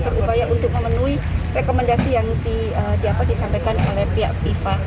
berupaya untuk memenuhi rekomendasi yang disampaikan oleh pihak fifa